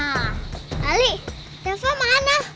nah ali teva mana